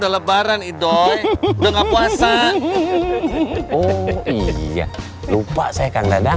lebaran idoy dengan puasa oh iya lupa saya kang dadang